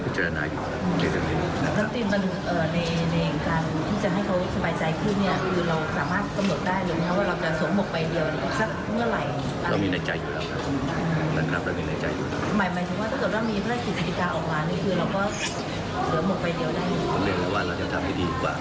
ขนเรียนแล้วว่าเราจะทำดีดีกว่า